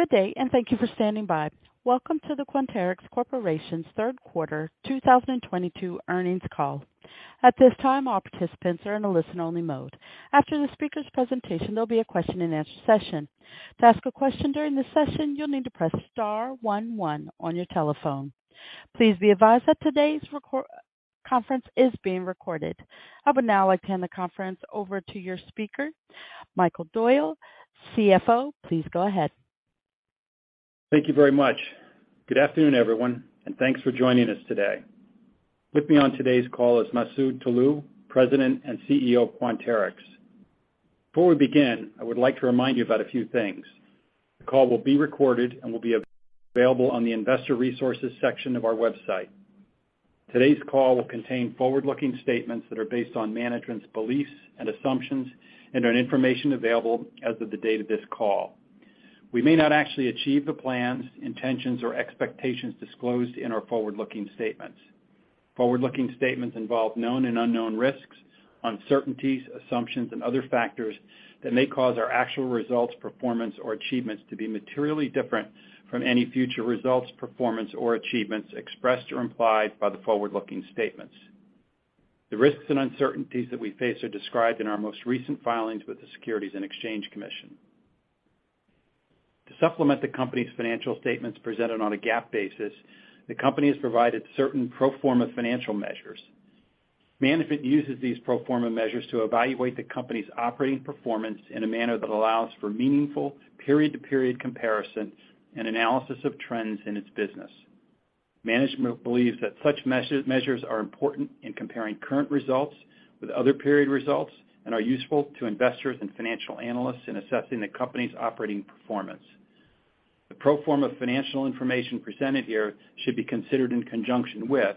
Good day, and thank you for standing by. Welcome to the Quanterix Corporation's third quarter 2022 earnings call. At this time, all participants are in a listen-only mode. After the speaker's presentation, there'll be a question and answer session. To ask a question during the session, you'll need to press star one one on your telephone. Please be advised that today's conference is being recorded. I would now hand the conference over to your speaker, Michael Doyle, CFO. Please go ahead. Thank you very much. Good afternoon, everyone, and thanks for joining us today. With me on today's call is Masoud Toloue, President and CEO of Quanterix. Before we begin, I would like to remind you about a few things. The call will be recorded and will be available on the investor resources section of our website. Today's call will contain forward-looking statements that are based on management's beliefs and assumptions and on information available as of the date of this call. We may not actually achieve the plans, intentions, or expectations disclosed in our forward-looking statements. Forward-looking statements involve known and unknown risks, uncertainties, assumptions, and other factors that may cause our actual results, performance, or achievements to be materially different from any future results, performance or achievements expressed or implied by the forward-looking statements. The risks and uncertainties that we face are described in our most recent filings with the Securities and Exchange Commission. To supplement the company's financial statements presented on a GAAP basis, the company has provided certain pro forma financial measures. Management uses these pro forma measures to evaluate the company's operating performance in a manner that allows for meaningful period-to-period comparison and analysis of trends in its business. Management believes that such measures are important in comparing current results with other period results and are useful to investors and financial analysts in assessing the company's operating performance. The pro forma financial information presented here should be considered in conjunction with,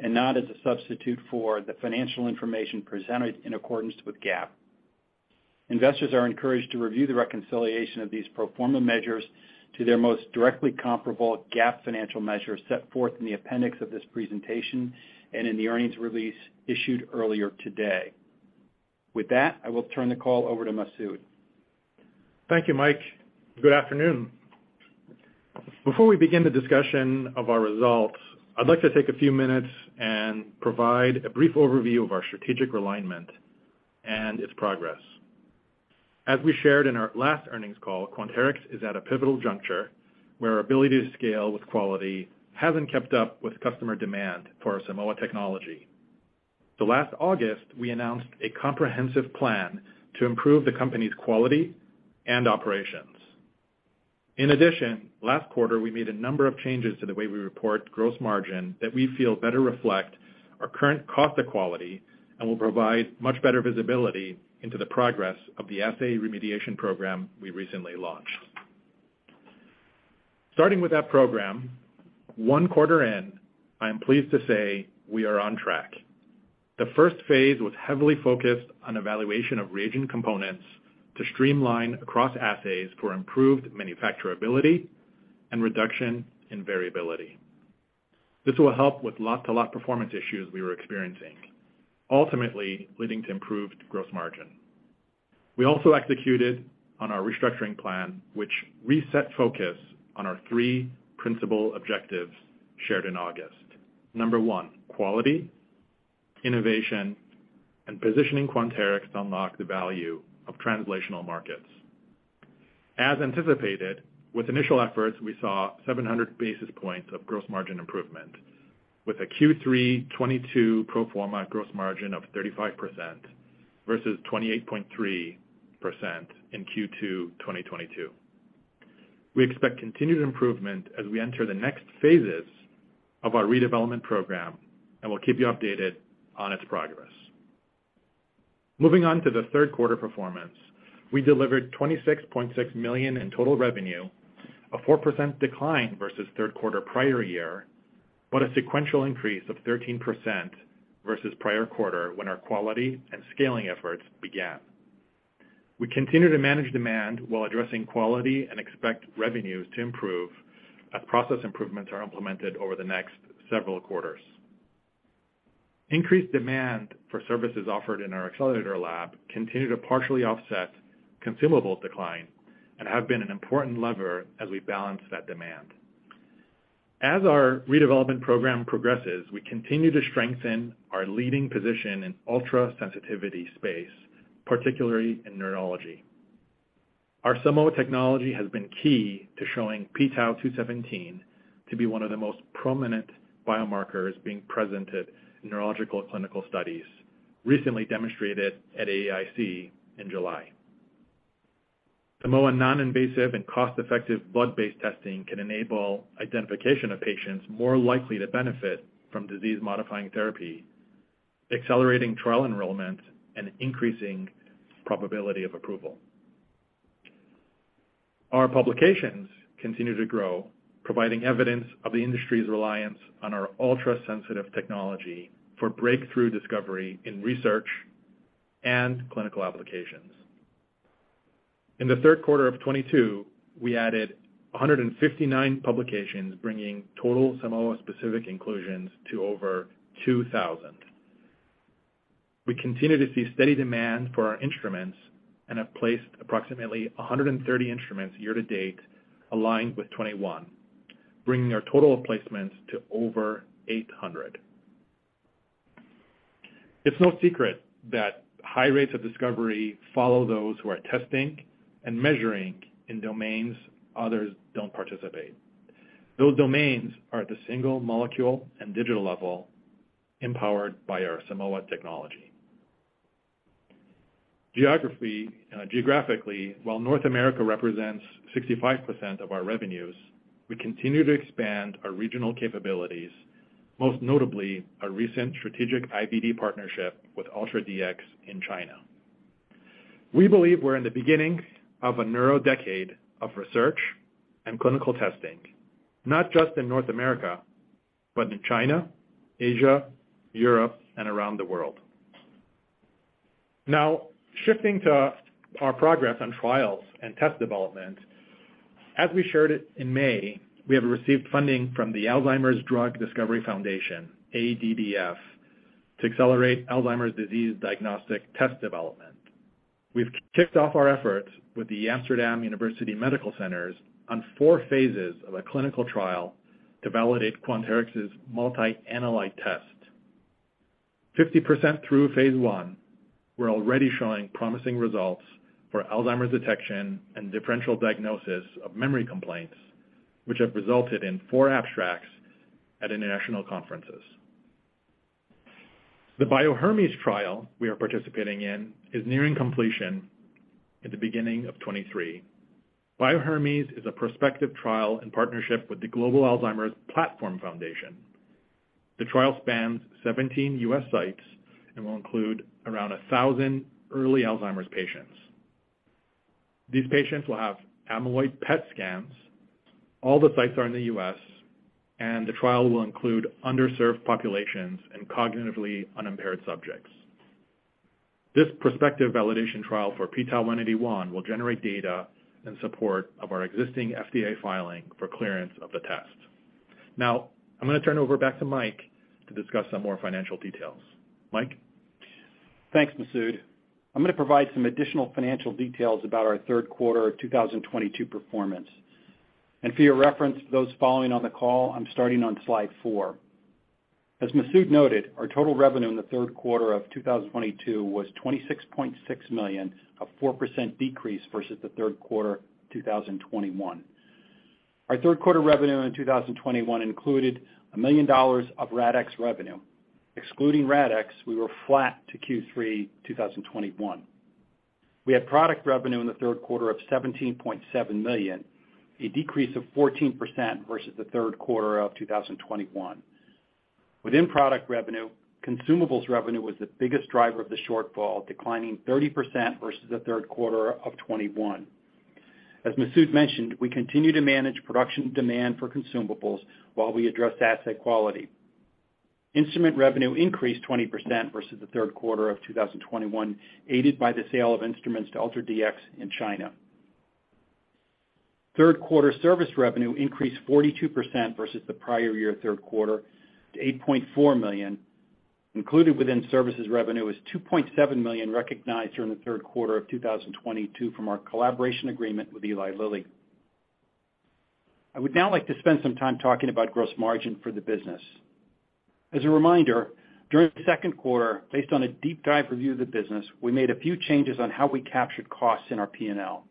and not as a substitute for, the financial information presented in accordance with GAAP. Investors are encouraged to review the reconciliation of these pro forma measures to their most directly comparable GAAP financial measures set forth in the appendix of this presentation and in the earnings release issued earlier today. With that, I will turn the call over to Masoud. Thank you, Mike. Good afternoon. Before we begin the discussion of our results, I'd like to take a few minutes and provide a brief overview of our strategic realignment and its progress. As we shared in our last earnings call, Quanterix is at a pivotal juncture where our ability to scale with quality hasn't kept up with customer demand for our Simoa technology. Last August, we announced a comprehensive plan to improve the company's quality and operations. In addition, last quarter, we made a number of changes to the way we report gross margin that we feel better reflect our current cost of quality and will provide much better visibility into the progress of the assay remediation program we recently launched. Starting with that program, one quarter in, I am pleased to say we are on track. The first phase was heavily focused on evaluation of reagent components to streamline across assays for improved manufacturability and reduction in variability. This will help with lot-to-lot performance issues we were experiencing, ultimately leading to improved gross margin. We also executed on our restructuring plan, which reset focus on our three principal objectives shared in August. Number one, quality, innovation, and positioning Quanterix to unlock the value of translational markets. As anticipated, with initial efforts, we saw 700 basis points of gross margin improvement with a Q3 2022 pro forma gross margin of 35% versus 28.3% in Q2 2022. We expect continued improvement as we enter the next phases of our redevelopment program, and we'll keep you updated on its progress. Moving on to the third quarter performance. We delivered $26.6 million in total revenue, a 4% decline versus third quarter prior year, but a sequential increase of 13% versus prior quarter when our quality and scaling efforts began. We continue to manage demand while addressing quality and expect revenues to improve as process improvements are implemented over the next several quarters. Increased demand for services offered in our Accelerator Lab continue to partially offset consumable decline and have been an important lever as we balance that demand. As our redevelopment program progresses, we continue to strengthen our leading position in ultra-sensitivity space, particularly in neurology. Our Simoa technology has been key to showing p-tau217 to be one of the most prominent biomarkers being presented in neurological clinical studies recently demonstrated at AAIC in July. Simoa non-invasive and cost-effective blood-based testing can enable identification of patients more likely to benefit from disease-modifying therapy, accelerating trial enrollment and increasing probability of approval. Our publications continue to grow, providing evidence of the industry's reliance on our ultra-sensitive technology for breakthrough discovery in research and clinical applications. In the third quarter of 2022, we added 159 publications, bringing total Simoa specific inclusions to over 2,000. We continue to see steady demand for our instruments and have placed approximately 130 instruments year to date, aligned with 2021, bringing our total of placements to over 800. It's no secret that high rates of discovery follow those who are testing and measuring in domains others don't participate. Those domains are at the single molecule and digital level, empowered by our Simoa technology. Geographically, while North America represents 65% of our revenues, we continue to expand our regional capabilities, most notably our recent strategic IVD partnership with UltraDx in China. We believe we're in the beginning of a neuro decade of research and clinical testing, not just in North America, but in China, Asia, Europe, and around the world. Now, shifting to our progress on trials and test development. As we shared it in May, we have received funding from the Alzheimer's Drug Discovery Foundation, ADDF, to accelerate Alzheimer's disease diagnostic test development. We've kicked off our efforts with the Amsterdam University Medical Centers on four phases of a clinical trial to validate Quanterix's multi-analyte test. 50% through phase one, we're already showing promising results for Alzheimer's detection and differential diagnosis of memory complaints, which have resulted in four abstracts at international conferences. The Bio-Hermes trial we are participating in is nearing completion at the beginning of 2023. Bio-Hermes is a prospective trial in partnership with the Global Alzheimer's Platform Foundation. The trial spans 17 U.S. sites and will include around 1,000 early Alzheimer's patients. These patients will have amyloid PET scans. All the sites are in the U.S., and the trial will include underserved populations and cognitively unimpaired subjects. This prospective validation trial for p-tau181 will generate data in support of our existing FDA filing for clearance of the test. Now, I'm going to turn it over back to Mike to discuss some more financial details. Mike? Thanks, Masoud. I'm going to provide some additional financial details about our third quarter of 2022 performance. For your reference, those following on the call, I'm starting on slide four. As Masoud noted, our total revenue in the third quarter of 2022 was $26.6 million, a 4% decrease versus the third quarter 2021. Our third quarter revenue in 2021 included $1 million of RADx revenue. Excluding RADx, we were flat to Q3 2021. We had product revenue in the third quarter of $17.7 million, a 14% decrease versus the third quarter of 2021. Within product revenue, consumables revenue was the biggest driver of the shortfall, declining 30% versus the third quarter of 2021. As Masoud mentioned, we continue to manage production demand for consumables while we address asset quality. Instrument revenue increased 20% versus the third quarter of 2021, aided by the sale of instruments to UltraDx in China. Third quarter service revenue increased 42% versus the prior year third quarter to $8.4 million. Included within services revenue is $2.7 million recognized during the third quarter of 2022 from our collaboration agreement with Eli Lilly. I would now like to spend some time talking about gross margin for the business. As a reminder, during the second quarter, based on a deep dive review of the business, we made a few changes on how we captured costs in our P&L.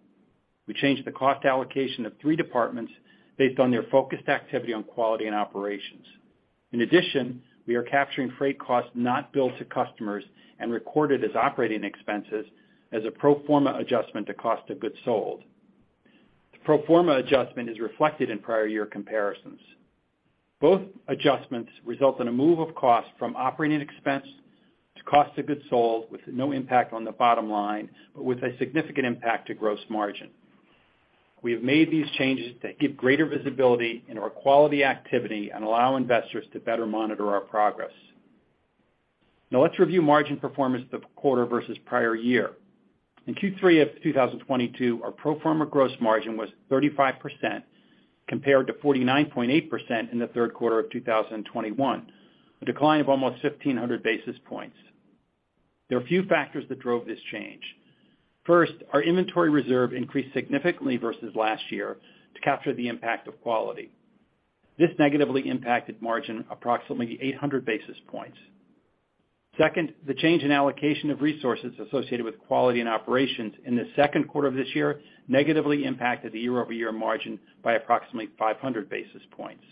We changed the cost allocation of three departments based on their focused activity on quality and operations. In addition, we are capturing freight costs not billed to customers and recorded as operating expenses as a pro forma adjustment to cost of goods sold. The pro forma adjustment is reflected in prior year comparisons. Both adjustments result in a move of cost from operating expense to cost of goods sold with no impact on the bottom line, but with a significant impact to gross margin. We have made these changes that give greater visibility into our quality activity and allow investors to better monitor our progress. Now let's review margin performance this quarter versus prior year. In Q3 of 2022, our pro forma gross margin was 35% compared to 49.8% in the third quarter of 2021, a decline of almost 1,500 basis points. There are a few factors that drove this change. First, our inventory reserve increased significantly versus last year to capture the impact of quality. This negatively impacted margin approximately 800 basis points. Second, the change in allocation of resources associated with quality and operations in the second quarter of this year negatively impacted the year-over-year margin by approximately 500 basis points.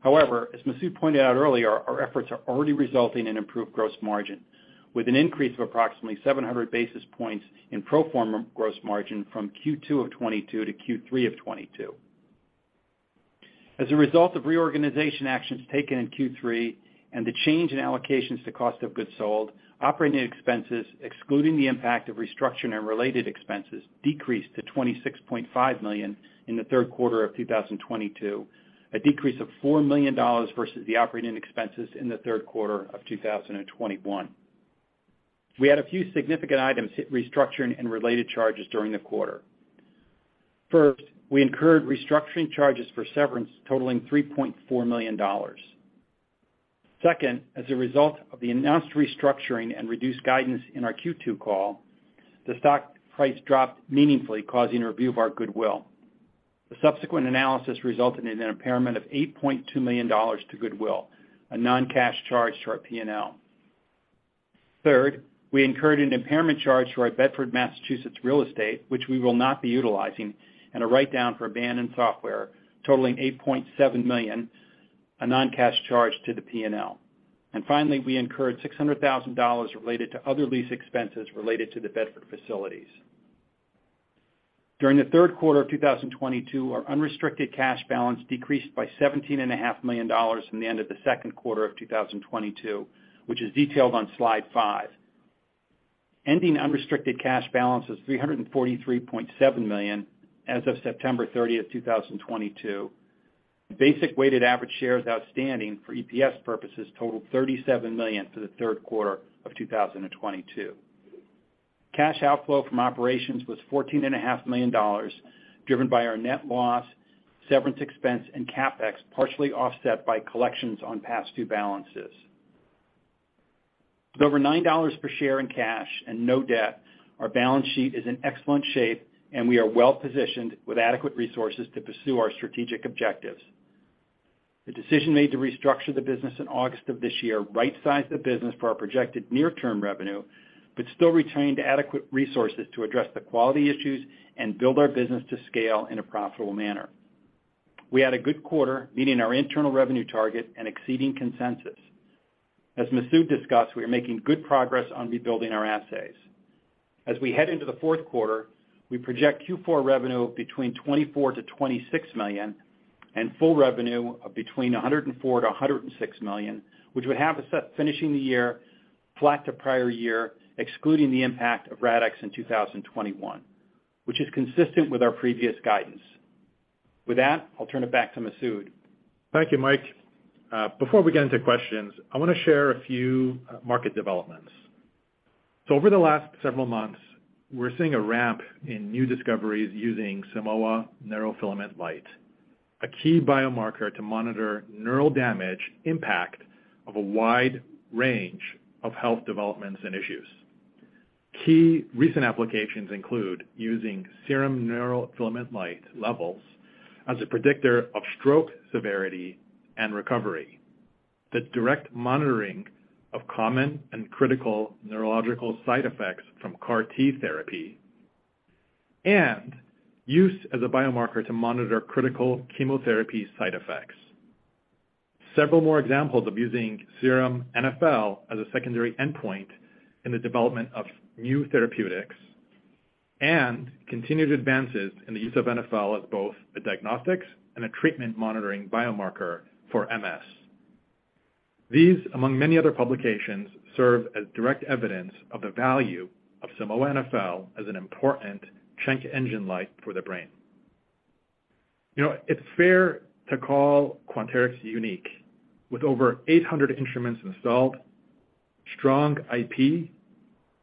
However, as Masoud pointed out earlier, our efforts are already resulting in improved gross margin with an increase of approximately 700 basis points in pro forma gross margin from Q2 of 2022 to Q3 of 2022. As a result of reorganization actions taken in Q3 and the change in allocations to cost of goods sold, operating expenses, excluding the impact of restructuring and related expenses, decreased to $26.5 million in the third quarter of 2022, a decrease of $4 million versus the operating expenses in the third quarter of 2021. We had a few significant items hit restructuring and related charges during the quarter. First, we incurred restructuring charges for severance totaling $3.4 million. Second, as a result of the announced restructuring and reduced guidance in our Q2 call, the stock price dropped meaningfully, causing a review of our goodwill. The subsequent analysis resulted in an impairment of $8.2 million to goodwill, a non-cash charge to our P&L. Third, we incurred an impairment charge to our Bedford, Massachusetts, real estate, which we will not be utilizing, and a write-down for abandoned software totaling $8.7 million, a non-cash charge to the P&L. Finally, we incurred $600,000 related to other lease expenses related to the Bedford facilities. During the third quarter of 2022, our unrestricted cash balance decreased by $17.5 million from the end of the second quarter of 2022, which is detailed on slide five. Ending unrestricted cash balance is $343.7 million as of September 30, 2022. Basic weighted average shares outstanding for EPS purposes totaled 37 million for the third quarter of 2022. Cash outflow from operations was $14 and a half million, driven by our net loss, severance expense, and CapEx, partially offset by collections on past due balances. With over $9 per share in cash and no debt, our balance sheet is in excellent shape, and we are well positioned with adequate resources to pursue our strategic objectives. The decision made to restructure the business in August of this year right-sized the business for our projected near-term revenue, but still retained adequate resources to address the quality issues and build our business to scale in a profitable manner. We had a good quarter, meeting our internal revenue target and exceeding consensus. As Masoud discussed, we are making good progress on rebuilding our assays. As we head into the fourth quarter, we project Q4 revenue between $24-$26 million and full revenue of between $104-$106 million, which would have us finishing the year flat to prior year, excluding the impact of RADx in 2021, which is consistent with our previous guidance. With that, I'll turn it back to Masoud. Thank you, Mike. Before we get into questions, I want to share a few market developments. Over the last several months, we're seeing a ramp in new discoveries using Simoa neurofilament light, a key biomarker to monitor neural damage impact of a wide range of health developments and issues. Key recent applications include using serum neurofilament light levels as a predictor of stroke severity and recovery, the direct monitoring of common and critical neurological side effects from CAR T therapy, and use as a biomarker to monitor critical chemotherapy side effects. Several more examples of using serum NfL as a secondary endpoint in the development of new therapeutics and continued advances in the use of NfL as both a diagnostics and a treatment monitoring biomarker for MS. These, among many other publications, serve as direct evidence of the value of Simoa NfL as an important check engine light for the brain. You know, it's fair to call Quanterix unique. With over 800 instruments installed, strong IP,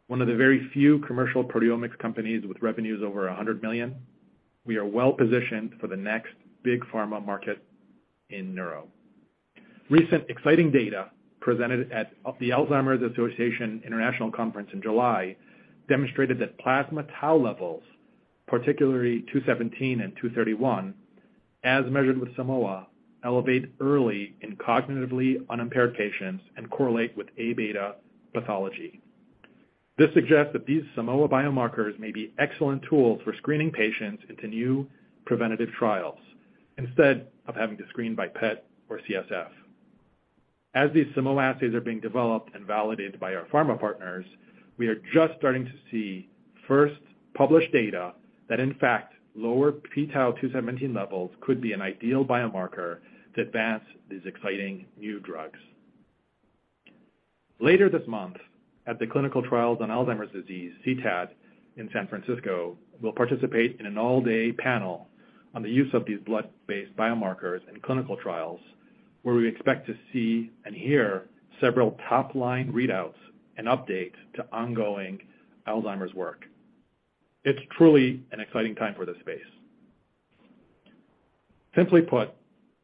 one of the very few commercial proteomics companies with revenues over $100 million, we are well positioned for the next big pharma market in neuro. Recent exciting data presented at the Alzheimer's Association International Conference in July demonstrated that plasma tau levels, particularly p-tau217 and p-tau231, as measured with Simoa, elevate early in cognitively unimpaired patients and correlate with Aβ pathology. This suggests that these Simoa biomarkers may be excellent tools for screening patients into new preventative trials instead of having to screen by PET or CSF. As these Simoa assays are being developed and validated by our pharma partners, we are just starting to see first published data that in fact lower p-tau217 levels could be an ideal biomarker to advance these exciting new drugs. Later this month, at the Clinical Trials on Alzheimer's Disease, CTAD, in San Francisco, we'll participate in an all-day panel on the use of these blood-based biomarkers in clinical trials, where we expect to see and hear several top-line readouts and updates to ongoing Alzheimer's work. It's truly an exciting time for this space. Simply put,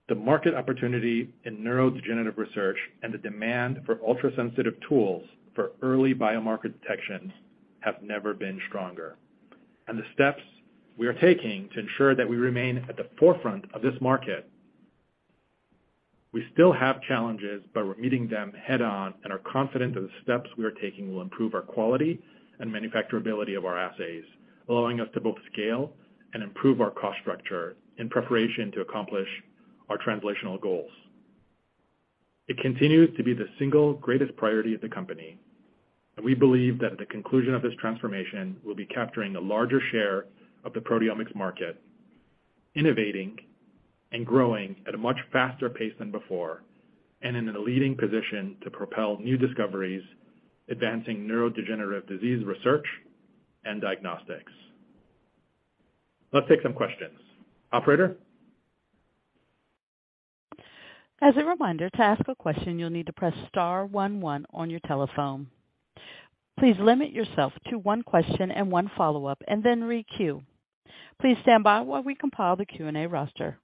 the market opportunity in neurodegenerative research and the demand for ultrasensitive tools for early biomarker detections have never been stronger. The steps we are taking to ensure that we remain at the forefront of this market, we still have challenges, but we're meeting them head-on and are confident that the steps we are taking will improve our quality and manufacturability of our assays, allowing us to both scale and improve our cost structure in preparation to accomplish our translational goals. It continues to be the single greatest priority of the company, and we believe that at the conclusion of this transformation, we'll be capturing a larger share of the proteomics market, innovating and growing at a much faster pace than before, and in a leading position to propel new discoveries, advancing neurodegenerative disease research and diagnostics. Let's take some questions. Operator? As a reminder, to ask a question, you'll need to press star one one on your telephone. Please limit yourself to one question and one follow-up, and then re-queue. Please stand by while we compile the Q&A roster.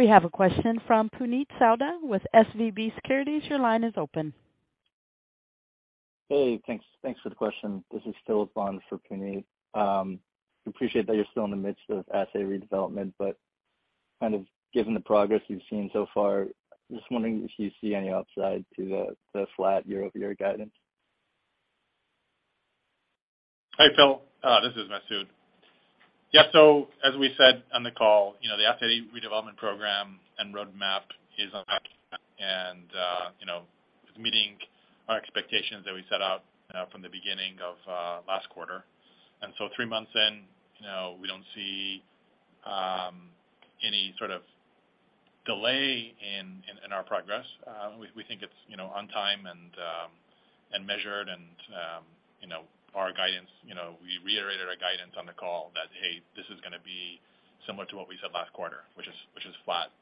We have a question from Puneet Souda with SVB Securities. Your line is open. Hey, thanks. Thanks for the question. This is Philip Dante for Puneet. Appreciate that you're still in the midst of assay redevelopment, but kind of given the progress you've seen so far, just wondering if you see any upside to the flat year-over-year guidance. Hey, Philip, this is Masoud. As we said on the call, you know, the assay redevelopment program and roadmap is on track and, you know, it's meeting our expectations that we set out from the beginning of last quarter. Three months in, you know, we don't see any sort of delay in our progress. We think it's, you know, on time and measured and, you know, our guidance, you know, we reiterated our guidance on the call that, hey, this is gonna be similar to what we said last quarter, which is flat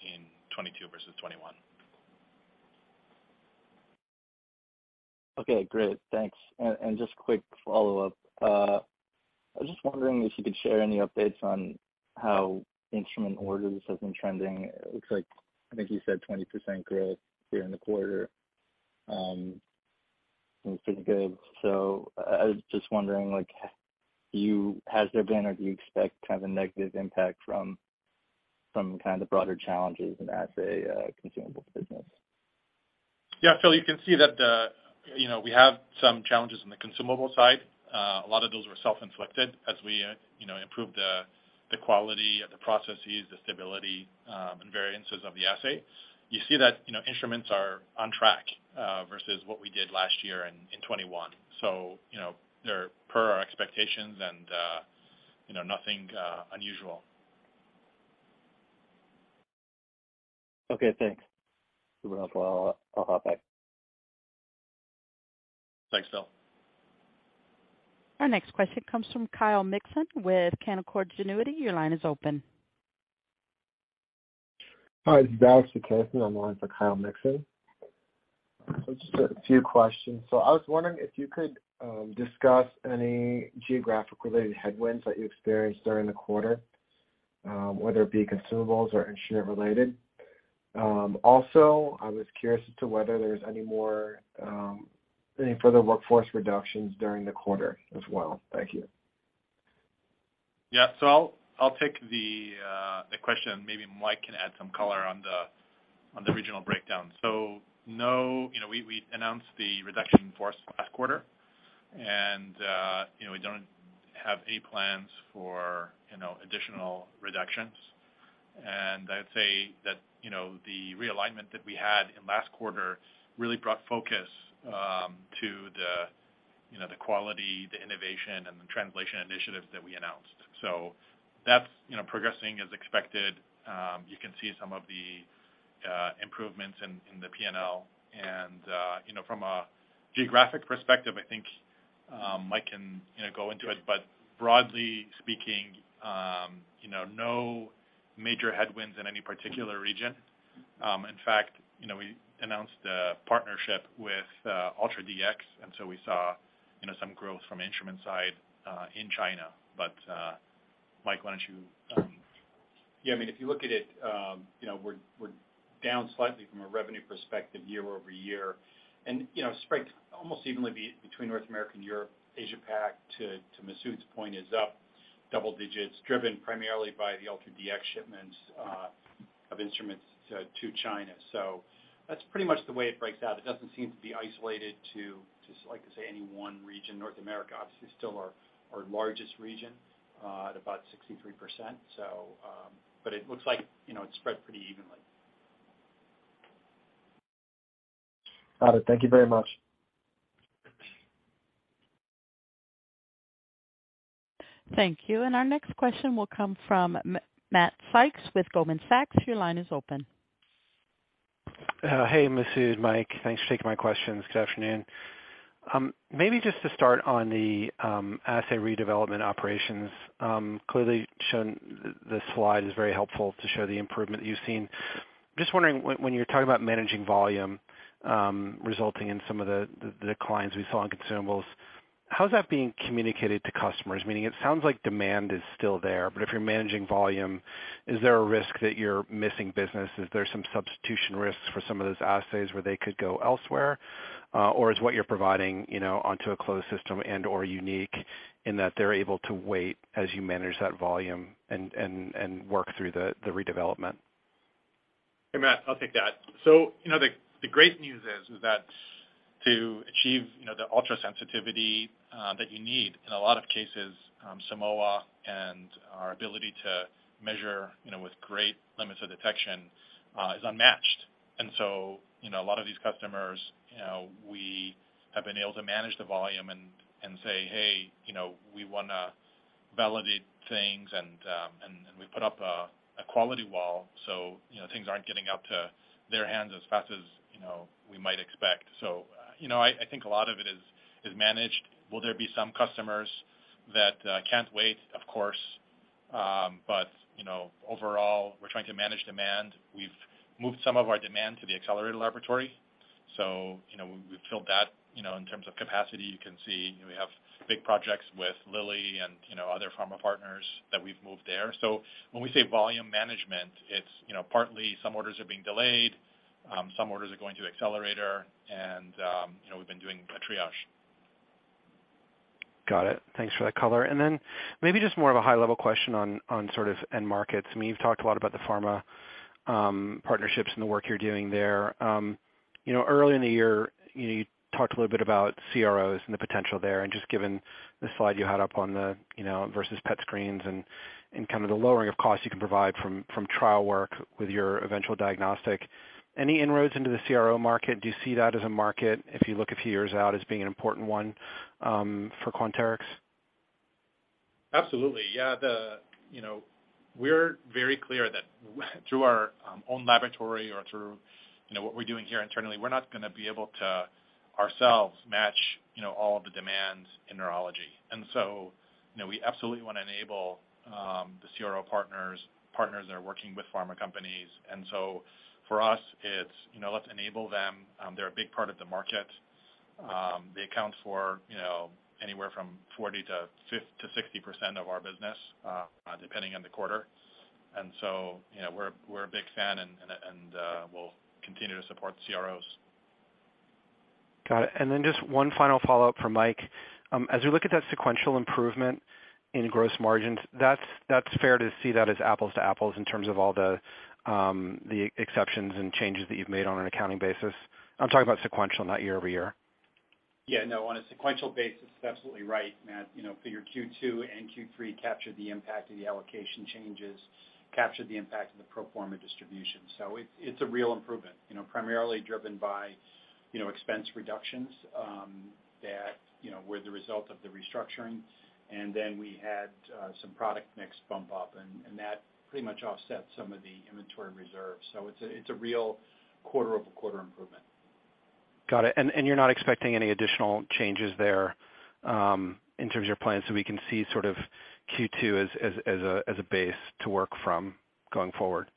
in 2022 versus 2021. Okay. Great. Thanks. Just quick follow-up. I was just wondering if you could share any updates on how instrument orders have been trending. It looks like, I think you said 20% growth here in the quarter, seems pretty good. I was just wondering, like, has there been or do you expect kind of a negative impact from some kind of broader challenges in assay consumable business? Yeah. Phil, you can see that, you know, we have some challenges on the consumable side. A lot of those were self-inflicted as we, you know, improved the quality of the processes, the stability, and variances of the assay. You see that, you know, instruments are on track versus what we did last year in 2021. You know, they're per our expectations and, you know, nothing unusual. Okay. Thanks. Otherwise, I'll hop back. Thanks, Phil. Our next question comes from Kyle Mikson with Canaccord Genuity. Your line is open. Hi, this is Alex Dickerson. I'm on the line for Kyle Mikson. Just a few questions. I was wondering if you could discuss any geographic related headwinds that you experienced during the quarter, whether it be consumables or instrument related. Also, I was curious as to whether there's any more, any further workforce reductions during the quarter as well. Thank you. Yeah. I'll take the question. Maybe Mike can add some color on the regional breakdown. No, you know, we announced the reduction in force last quarter and, you know, we don't have any plans for, you know, additional reductions. I'd say that, you know, the realignment that we had in last quarter really brought focus to the, you know, the quality, the innovation and the translation initiatives that we announced. That's, you know, progressing as expected. You can see some of the improvements in the P&L. And, you know, from a geographic perspective, I think Mike can, you know, go into it, but broadly speaking, you know, no major headwinds in any particular region. In fact, you know, we announced a partnership with UltraDx, and so we saw, you know, some growth from instrument side in China. Mike, why don't you. Yeah. I mean, if you look at it, we're down slightly from a revenue perspective year-over-year and spread almost evenly between North America and Europe, Asia Pac, to Masoud's point, is up double digits, driven primarily by the UltraDx shipments of instruments to China. That's pretty much the way it breaks out. It doesn't seem to be isolated to, like I say, any one region. North America, obviously still our largest region at about 63%. It looks like it's spread pretty evenly. Got it. Thank you very much. Thank you. Our next question will come from Matt Sykes with Goldman Sachs. Your line is open. Hey, Masoud, Mike. Thanks for taking my questions. Good afternoon. Maybe just to start on the assay redevelopment operations, clearly shown the slide is very helpful to show the improvement you've seen. Just wondering when you're talking about managing volume, resulting in some of the declines we saw in consumables, how's that being communicated to customers? Meaning it sounds like demand is still there, but if you're managing volume, is there a risk that you're missing business? Is there some substitution risks for some of those assays where they could go elsewhere? Or is what you're providing, you know, onto a closed system and/or unique in that they're able to wait as you manage that volume and work through the redevelopment? Hey, Matt, I'll take that. You know, the great news is that to achieve, you know, the ultra-sensitivity that you need in a lot of cases, Simoa and our ability to measure, you know, with great limits of detection is unmatched. You know, a lot of these customers, you know, we have been able to manage the volume and say, "Hey, you know, we want to validate things and we put up a quality wall so, you know, things aren't getting into their hands as fast as, you know, we might expect." You know, I think a lot of it is managed. Will there be some customers that can't wait? Of course. You know, overall, we're trying to manage demand. We've moved some of our demand to the Accelerator Laboratory. You know, we've filled that, you know, in terms of capacity. You can see we have big projects with Lilly and, you know, other pharma partners that we've moved there. When we say volume management, it's, you know, partly some orders are being delayed, some orders are going to accelerator and, you know, we've been doing a triage. Got it. Thanks for that color. Maybe just more of a high level question on sort of end markets. I mean, you've talked a lot about the pharma partnerships and the work you're doing there. You know, early in the year, you know, you talked a little bit about CROs and the potential there. Just given the slide you had up on the, you know, versus PET scans and kind of the lowering of costs you can provide from trial work with your eventual diagnostic. Any inroads into the CRO market? Do you see that as a market, if you look a few years out, as being an important one for Quanterix? Absolutely. Yeah, you know, we're very clear that through our own laboratory or through, you know, what we're doing here internally, we're not gonna be able to ourselves match, you know, all of the demands in neurology. We absolutely wanna enable the CRO partners that are working with pharma companies. For us it's, you know, let's enable them. They're a big part of the market. They account for, you know, anywhere from 40%-60% of our business, depending on the quarter. We're a big fan and we'll continue to support CROs. Got it. Then just one final follow-up for Mike. As we look at that sequential improvement in gross margins, that's fair to see that as apples to apples in terms of all the exceptions and changes that you've made on an accounting basis? I'm talking about sequential, not year-over-year. Yeah, no. On a sequential basis, that's absolutely right, Matt. You know, figure Q2 and Q3 captured the impact of the allocation changes, captured the impact of the pro forma distribution. It's a real improvement, you know, primarily driven by, you know, expense reductions that, you know, were the result of the restructuring. We had some product mix bump up, and that pretty much offset some of the inventory reserves. It's a real quarter-over-quarter improvement. Got it. You're not expecting any additional changes there in terms of your plans, so we can see sort of Q2 as a base to work from going forward?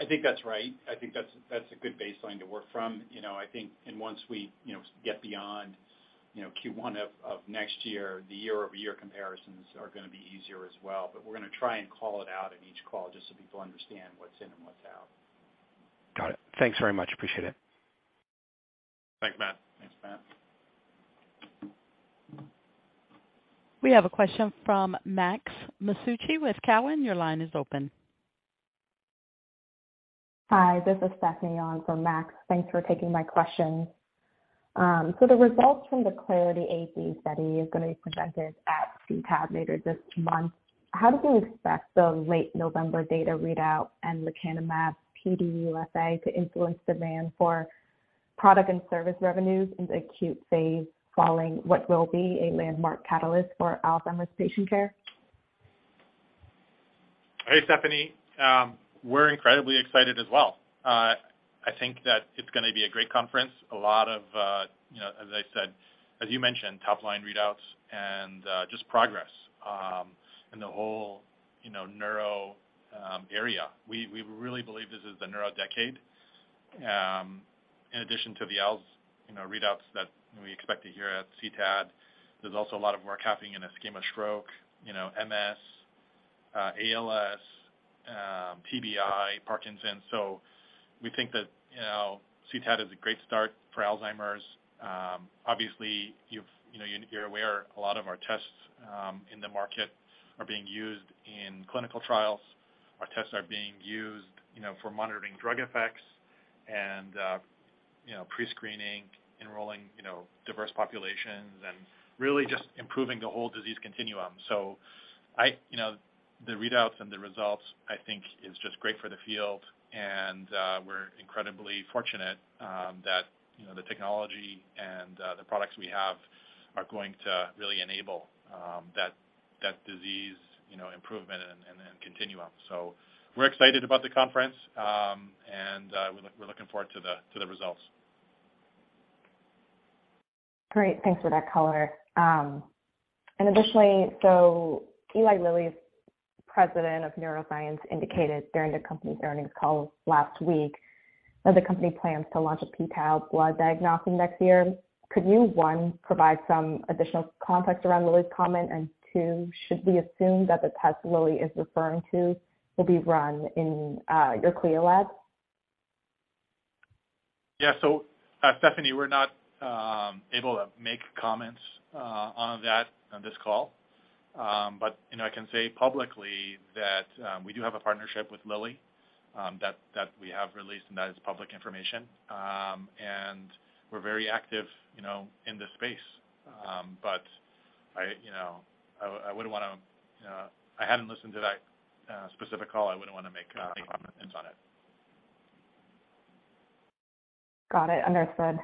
I think that's right. I think that's a good baseline to work from. You know, I think and once we, you know, get beyond, you know, Q1 of next year, the year-over-year comparisons are gonna be easier as well. We're gonna try and call it out at each call just so people understand what's in and what's out. Got it. Thanks very much. Appreciate it. Thanks, Matt. Thanks, Matt. We have a question from Max Masucci with Cowen. Your line is open. Hi, this is Stephanie on for Max Masucci. Thanks for taking my questions. The results from the Clarity AD study is gonna be presented at CTAD later this month. How do you expect the late November data readout and lecanemab PDUFA to influence demand for product and service revenues in the acute phase following what will be a landmark catalyst for Alzheimer's patient care? Hey, Stephanie. We're incredibly excited as well. I think that it's gonna be a great conference. A lot of, you know, as I said, as you mentioned, top line readouts and, just progress, in the whole, you know, neuro, area. We really believe this is the neuro decade. In addition to the ALZ, you know, readouts that we expect to hear at CTAD, there's also a lot of work happening in ischemic stroke, you know, MS, ALS, TBI, Parkinson's. We think that, you know, CTAD is a great start for Alzheimer's. Obviously, you know, you're aware a lot of our tests in the market are being used in clinical trials. Our tests are being used, you know, for monitoring drug effects and pre-screening, enrolling, you know, diverse populations and really just improving the whole disease continuum. You know, the readouts and the results I think is just great for the field, and we're incredibly fortunate that you know, the technology and the products we have are going to really enable that disease, you know, improvement and continuum. We're excited about the conference, and we're looking forward to the results. Great. Thanks for that color. Additionally, Eli Lilly's president of neuroscience indicated during the company's earnings call last week that the company plans to launch a p-tau blood diagnostic next year. Could you, one, provide some additional context around Lilly's comment? Two, should we assume that the test Lilly is referring to will be run in your CLIA lab? Yeah. Stephanie, we're not able to make comments on that on this call. You know, I can say publicly that we do have a partnership with Lilly that we have released and that is public information. We're very active, you know, in this space. You know, I wouldn't wanna. I hadn't listened to that specific call. I wouldn't wanna make comments on it. Got it. Understood.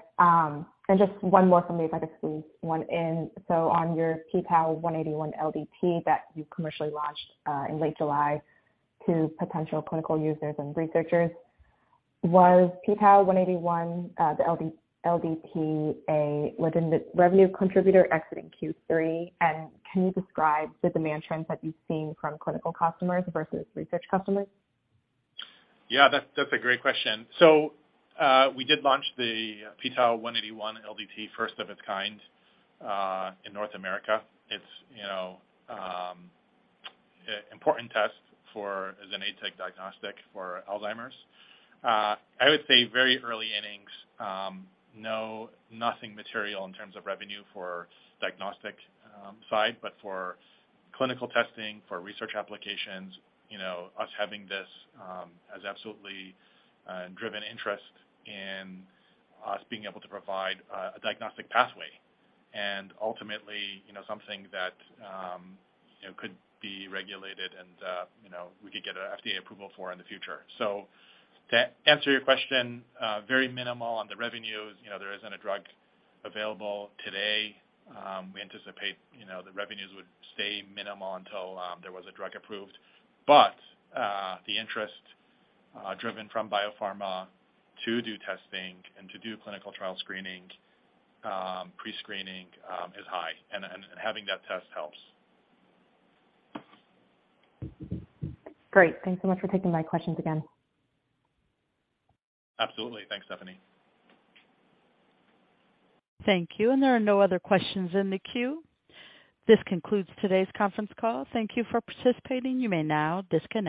Just one more for me if I could squeeze one in. On your p-tau181 LDT that you commercially launched in late July to potential clinical users and researchers, was p-tau181 the LDT a revenue contributor exiting Q3? Can you describe the demand trends that you've seen from clinical customers versus research customers? Yeah, that's a great question. We did launch the p-tau181 LDT first of its kind in North America. It's, you know, important test for, as an AD tech diagnostic for Alzheimer's. I would say very early innings. Nothing material in terms of revenue for diagnostic side, but for clinical testing, for research applications, you know, us having this has absolutely driven interest in us being able to provide a diagnostic pathway and ultimately, you know, something that, you know, could be regulated and, you know, we could get a FDA approval for in the future. To answer your question, very minimal on the revenues. You know, there isn't a drug available today. We anticipate, you know, the revenues would stay minimal until there was a drug approved. The interest driven from biopharma to do testing and to do clinical trial screening, pre-screening, is high, and having that test helps. Great. Thanks so much for taking my questions again. Absolutely. Thanks, Stephanie. Thank you. There are no other questions in the queue. This concludes today's conference call. Thank you for participating. You may now disconnect.